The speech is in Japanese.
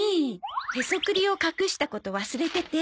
へそくりを隠したこと忘れてて。